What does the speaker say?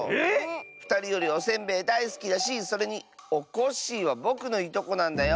ふたりよりおせんべいだいすきだしそれにおこっしぃはぼくのいとこなんだよ。